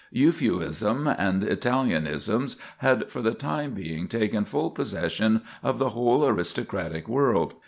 Euphuism and Italianism had for the time being taken full possession of the whole aristocratic world.